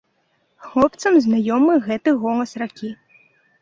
Хлопцам знаёмы гэты голас ракі.